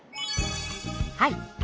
はい。